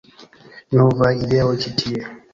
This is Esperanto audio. Novaj ideoj ĉi tie